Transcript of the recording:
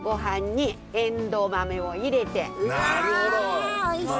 うわおいしそう！